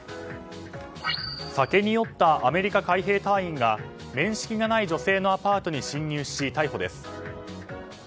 酒に酔ったアメリカ海兵隊員が面識がない女性のアパートに侵入し、逮捕です。